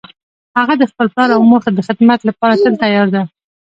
هغه د خپل پلار او مور د خدمت لپاره تل تیار ده